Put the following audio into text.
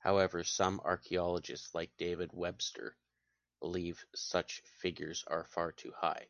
However, some archeologists like David Webster, believe such figures are far too high.